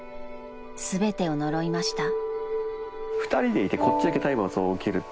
［全てを呪いました］